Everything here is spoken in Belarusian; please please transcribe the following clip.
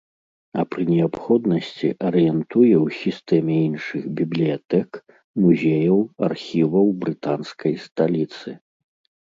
А пры неабходнасці арыентуе ў сістэме іншых бібліятэк, музеяў, архіваў брытанскай сталіцы.